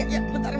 aduh aduh aduh